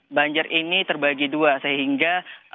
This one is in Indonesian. banjir ini terbagi dua sehingga